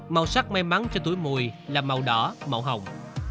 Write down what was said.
màu sắc may mắn cho tuổi mùi là màu đỏ màu hồng